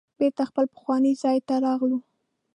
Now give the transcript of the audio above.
بیرته خپل پخواني ځای ته راغلو.